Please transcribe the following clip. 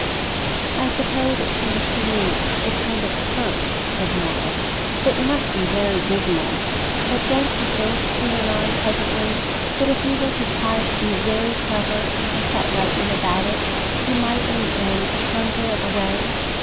"I suppose it seems to you a kind of curse," said Morris. "It must be very dismal. But don't you think," he went on presently, "that if you were to try to be very clever, and to set rightly about it, you might in the end conjure it away?